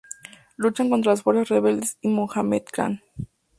Luchan contra las fuerzas rebeldes de Mohamed Khan.